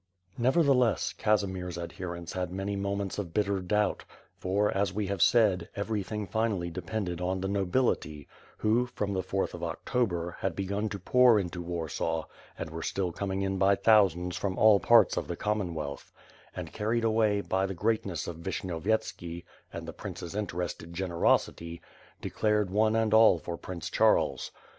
Nevertheless, Casimir's adherents had many moments of bitter doubt; for, as we have said, everything finally depended on the nobility, who, from the fourth of October, had begun to pour into Warsaw and were still coming in by thousands from all parts of the Commonwealth; and carried away by 536 WITB FIRE AND SWORD, 537 the greatness of Vishnyovyetski and the prince's interested generosity, declared one and all for Prince Charles.